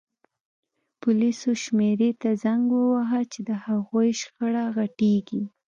پولیسو شمېرې ته زنګ ووهه چې د هغوی شخړه غټیږي